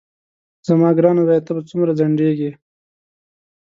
زما ګرانه زویه ته به څومره ځنډېږې.